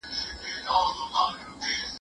د وریښتانو رنګول د سپینېدو سرعت نه زیاتوي.